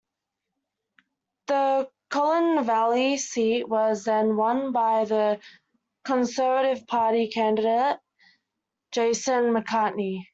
The Colne Valley seat was then won by the Conservative Party candidate, Jason McCartney.